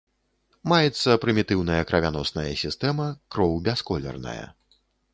Маецца прымітыўная крывяносная сістэма, кроў бясколерная.